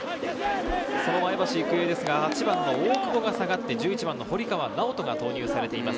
前橋育英ですが、８番の大久保が下がって１１番の堀川直人が投入されています。